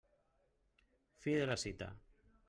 Fi de la cita.